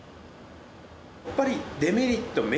やっぱりデメリットメリット